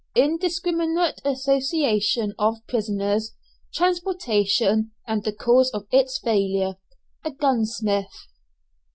INDISCRIMINATE ASSOCIATION OF PRISONERS TRANSPORTATION, AND THE CAUSE OF ITS FAILURE A GUNSMITH.